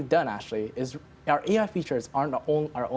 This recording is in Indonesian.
adalah fitur ai kami bukan saja fitur kami sendiri